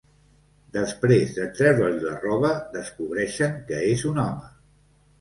Després de treure-li la roba, descobreixen que és un home.